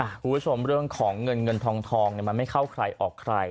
คุณผู้ชมเรื่องของเงินเงินทองมันไม่เข้าใครออกใคร